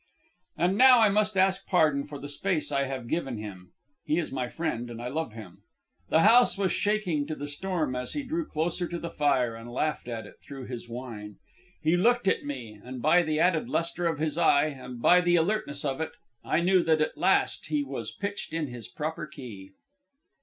And now I must ask pardon for the space I have given him. (He is my friend, and I love him.) The house was shaking to the storm, as he drew closer to the fire and laughed at it through his wine. He looked at me, and by the added lustre of his eye, and by the alertness of it, I knew that at last he was pitched in his proper key.